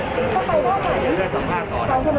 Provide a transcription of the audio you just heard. สวัสดีครับ